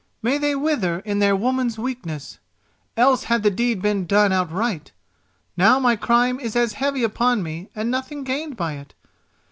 "May they wither in their woman's weakness! else had the deed been done outright. Now my crime is as heavy upon me and nothing gained by it.